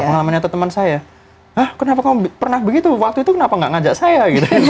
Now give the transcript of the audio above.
pengalamannya tuh teman saya hah kenapa kamu pernah begitu waktu itu kenapa gak ngajak saya